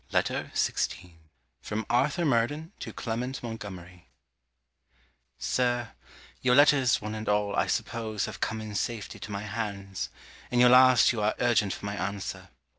LETTER XVI FROM ARTHUR MURDEN TO CLEMENT MONTGOMERY SIR Your letters, one and all, I suppose, have come in safety to my hands. In your last you are urgent for my answer.